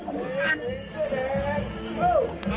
ต่อถึงนี้ค่ะ